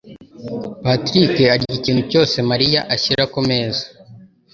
Patrick arya ikintu cyose Mariya ashyira kumeza.